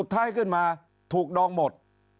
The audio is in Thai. ท้ายขึ้นมาถูกดองหมด